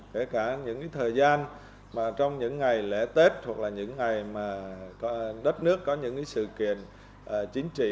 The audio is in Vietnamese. kể cả những thời gian mà trong những ngày lễ tết hoặc là những ngày mà đất nước có những sự kiện chính trị